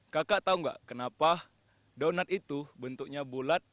kakak tau gak kenapa donut itu bentuknya bulat